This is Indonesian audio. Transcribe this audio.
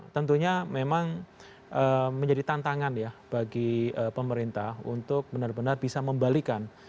tentunya memang menjadi tantangan ya bagi pemerintah untuk benar benar bisa membalikan